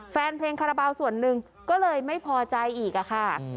แฟนเพลงคาราบาลส่วนหนึ่งก็เลยไม่พอใจอีกค่ะ